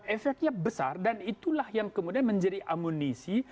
efeknya besar dan itulah yang kemudian menjadi amunisi